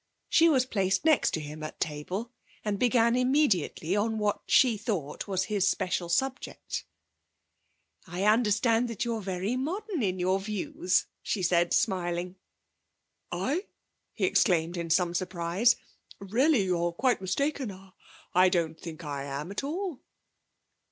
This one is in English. She was placed next to him at table and began immediately on what she thought was his special subject. 'I understand that you're very modern in your views,' she said, smiling. 'I!' he exclaimed in some surprise. 'Really you are quite mistaken. I don't think I am at all.'